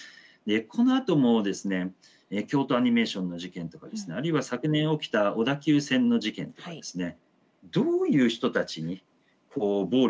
このあともですね京都アニメーションの事件とかあるいは昨年起きた小田急線の事件とかですね。